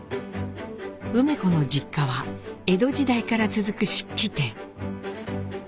梅子の実家は江戸時代から続く漆器店。